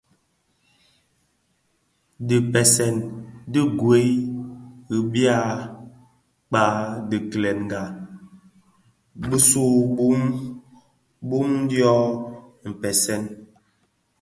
Dhipèseèn ti gwed i be ya mpkag di kilenga gom imë bituu bum dyoň npèsèn.